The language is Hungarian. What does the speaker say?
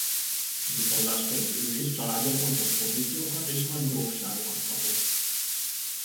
Viszonzásként ő és családja fontos pozíciókat és nagy grófságokat kapott.